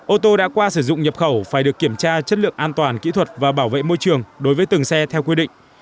ô tô đã qua sử dụng nhập khẩu phải được kiểm tra chất lượng an toàn kỹ thuật và bảo vệ môi trường đối với từng xe theo quy định